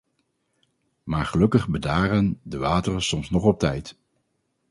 Maar gelukkig bedaren de wateren soms nog op tijd.